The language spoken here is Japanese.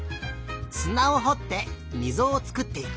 すなをほってみぞをつくっていく。